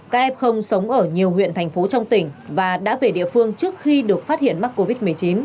các em sống ở nhiều huyện thành phố trong tỉnh và đã về địa phương trước khi được phát hiện mắc covid một mươi chín